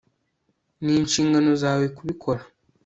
ni inshingano zawe kubikora